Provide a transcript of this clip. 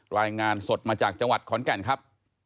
รายงานสดมาจากจังหวัดขอนแก่นครับ